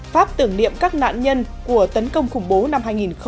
pháp tưởng niệm các nạn nhân của tấn công khủng bố năm hai nghìn một mươi ba